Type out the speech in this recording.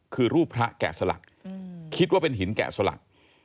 คือรูปพระแกะสลักคิดว่าเป็นหินแกะสลัก